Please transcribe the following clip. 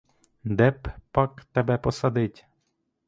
Де б пак тебе посадить?